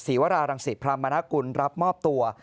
ศรีวรารังศิษย์พระมนาคุณรับมอบตัว